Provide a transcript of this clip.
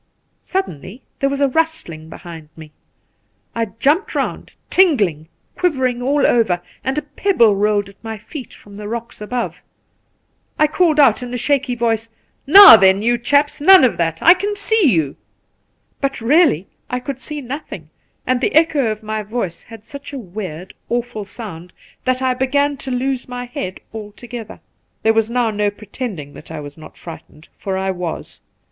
Suddenly there was a rustling behind me. I jumped round, tingling, quivering all over, and a pebble rolled at my feet from the rocks above. I called out in a shaky voice, ' Now then, you chaps I none of that ; I can see you.' But really I could see nothing, and the echo of my voice had such a weird, awful sound that I began to lose my head altogether. There was no use now pretending that I was not frightened, for I was.